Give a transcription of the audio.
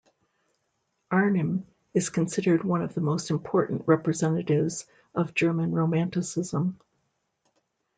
Arnim is considered one of the most important representatives of German Romanticism.